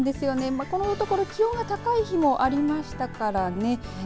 このところ気温が高い日もありましたからね。